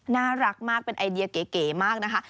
น่ารักมากเป็นไอเดียเก๋มากนะคะ